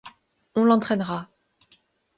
On l'entraîna.